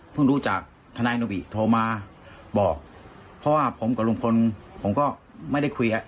รู้จักทนายโนบิโทรมาบอกเพราะว่าผมกับลุงพลผมก็ไม่ได้คุยอ่ะ